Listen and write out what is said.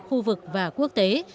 khu vực và quốc tế